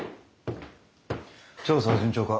調査は順調か？